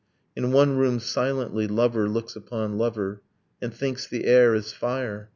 In one room, silently, lover looks upon lover, And thinks the air is fire.